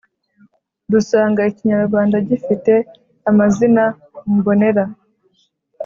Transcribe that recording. dusanga ikinyarwanda gifite amazina mbonera